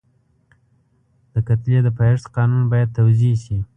د کتلې د پایښت قانون باید توضیح شي.